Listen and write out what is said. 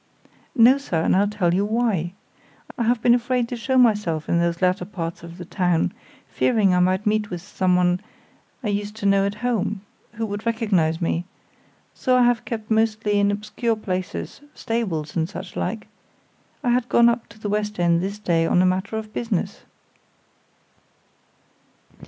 "No, sir; and I'll tell you why. I have been afraid to show myself in those latter parts of the town, fearing I might meet with some one I used to know at home, who would recognize me, so I have kept mostly in obscure places stables and such like. I had gone up to the West End this day on a matter of business."